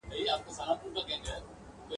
څوک چي چړیانو ملایانو ته جامې ورکوي !.